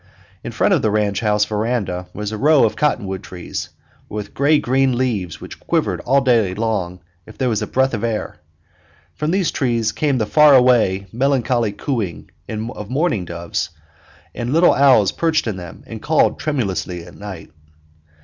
In front of the ranch house veranda was a row of cottonwood trees with gray green leaves which quivered all day long if there was a breath of air. From these trees came the far away, melancholy cooing of mourning doves, and little owls perched in them and called tremulously at night.